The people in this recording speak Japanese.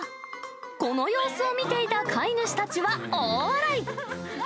この様子を見ていた飼い主たちは、大笑い。